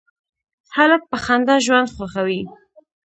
هلک په خندا ژوند خوښوي.